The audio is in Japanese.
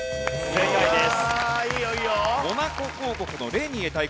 正解です。